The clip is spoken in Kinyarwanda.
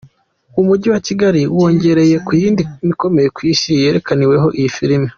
Umujyi wa Kigali wiyongereye ku yindi ikomeye ku Isi yerekaniwemo iyi filime.